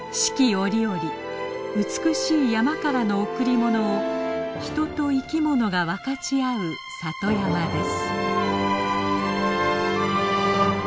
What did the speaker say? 折々美しい山からの贈り物を人と生き物が分かち合う里山です。